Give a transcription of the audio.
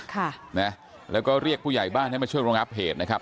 ค่ะนะแล้วก็เรียกผู้ใหญ่บ้านให้มาช่วยรองับเหตุนะครับ